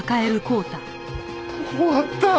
終わった。